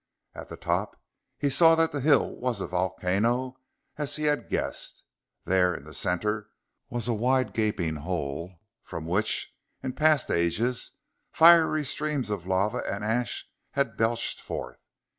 At the top, he saw that the hill was a volcano, as he had guessed. There, in the center, was a wide gaping hole from which, in past ages, fiery streams of lava and ashes had belched forth.